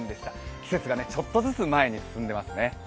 季節がちょっとずつ前に進んでいますね。